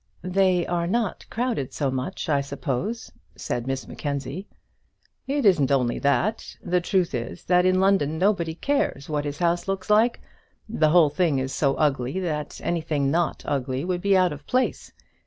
"They are not crowded so much, I suppose," said Miss Mackenzie. "It isn't only that. The truth is, that in London nobody cares what his house looks like. The whole thing is so ugly that anything not ugly would be out of place.